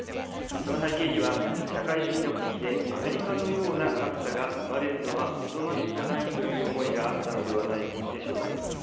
その背景には、社会主義の国でアメリカのような格差が生まれるのは望ましくないという思いがあったのではないでしょうか。